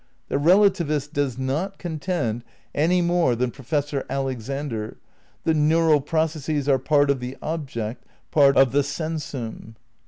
The relativist does not contend, any more than Professor Alexander, that neural processes are part of the object, of the sensum.